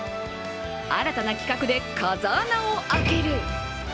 新たな企画で、風穴を開ける。